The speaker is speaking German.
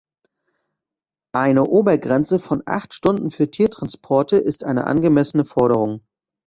Eine Obergrenze von acht Stunden für Tiertransporte ist eine angemessene Forderung.